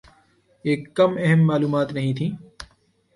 یہ کم اہم معلومات نہیں تھیں۔